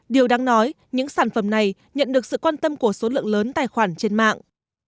điều đáng nói những sản phẩm này nhận được sự quan tâm của số lượng lớn tài khoản trên mạng